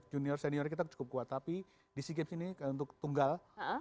junior senior kita cukup kuat tapi di sea games ini untuk tunggal